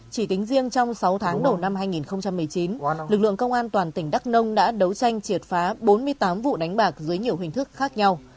chỉ tính riêng trong sáu tháng đầu năm hai nghìn một mươi chín lực lượng công an toàn tỉnh đắk nông đã đấu tranh triệt phá bốn mươi tám vụ đánh bạc dưới nhiều hình thức khác nhau